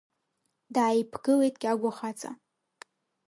Дааиԥгылеит Кьагәа хаҵа.